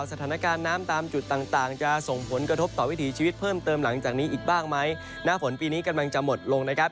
สถานการณ์น้ำตามจุดต่างต่างจะส่งผลกระทบต่อวิถีชีวิตเพิ่มเติมหลังจากนี้อีกบ้างไหมหน้าฝนปีนี้กำลังจะหมดลงนะครับ